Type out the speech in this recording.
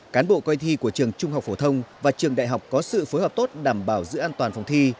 cán bộ coi thi của trường trung học phổ thông và trường đại học có sự phối hợp tốt đảm bảo giữ an toàn phòng thi